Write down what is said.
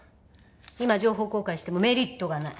今情報公開してもメリットがない。